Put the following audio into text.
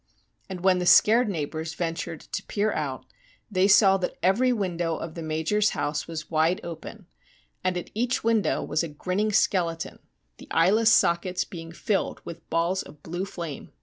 And when the scared neighbours ventured to peer out they saw that every window of the Major's house was wide open, and at each window was a grinning skeleton, the eyeless sockets being filled with balls of blue flame.